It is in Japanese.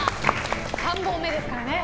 ３本目ですからね。